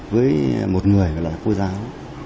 với một người gọi là cô giáo